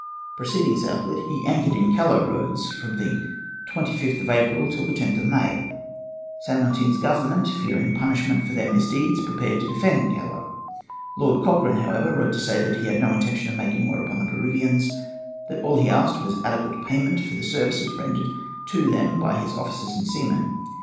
Proceeding southward, he anchored in Callao Roads from the 25th of April till the 10th of May. San Martin's Government, fearing punishment for their misdeeds, prepared to defend Callao. Lord Cochrane, however, wrote to say that he had no intention of making war upon the Peruvians; that all he asked was adequate payment for the services rendered to them by his officers and seamen.